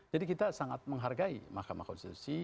jadi kita sangat menghargai mahkamah konstitusi